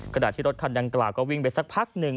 ขณะที่รถคันดังกล่าวก็วิ่งไปสักพักหนึ่ง